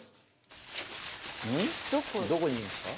どこにいるんですか？